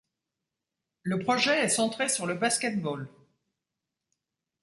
Le projet est centré sur le basket-ball.